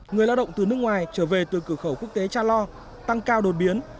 người lao động từ nước ngoài trở về từ cửa khẩu quốc tế cha lo tăng cao đột biến